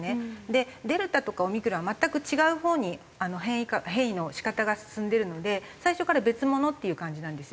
でデルタとかオミクロンは全く違うほうに変異の仕方が進んでるので最初から別物っていう感じなんですよ。